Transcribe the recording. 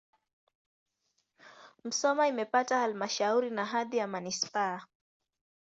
Musoma imepata halmashauri na hadhi ya manisipaa.